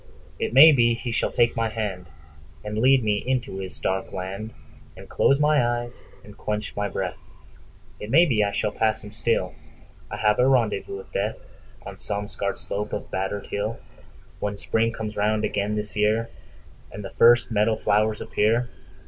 It may be he shall take my handAnd lead me into his dark landAnd close my eyes and quench my breath—It may be I shall pass him still.I have a rendezvous with DeathOn some scarred slope of battered hill, When Spring comes round again this yearAnd the first meadow flowers appear.